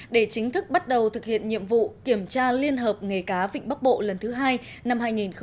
để chính thức bắt đầu thực hiện nhiệm vụ kiểm tra liên hợp nghề cá vịnh bắc bộ lần thứ hai năm hai nghìn hai mươi